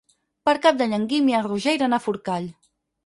Per Cap d'Any en Guim i en Roger iran a Forcall.